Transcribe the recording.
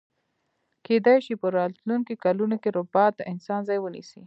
کیدای شی په راتلونکي کلونو کی ربات د انسان ځای ونیسي